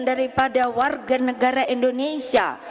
daripada warga negara indonesia